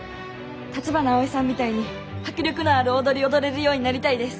橘アオイさんみたいに迫力のある踊りを踊れるようになりたいです。